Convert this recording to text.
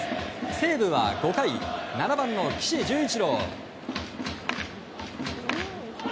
西武は５回、７番の岸潤一郎。